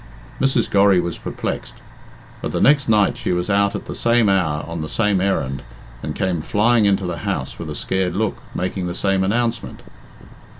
Mrs. Gorry was perplexed. But the next night she was out at the same hour on the same errand, and came flying into the house with a scared look, making the same announcement.